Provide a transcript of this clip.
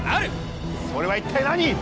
それは一体何？